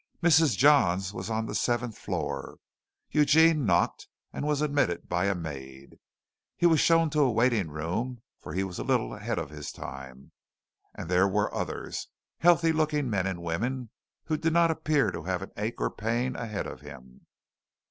Mrs. Johns was on the seventh floor. Eugene knocked and was admitted by a maid. He was shown to a waiting room, for he was a little ahead of his time, and there were others healthy looking men and women, who did not appear to have an ache or pain ahead of him.